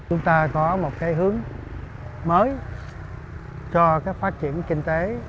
chúng ta có một cái hướng mới cho phát triển kinh tế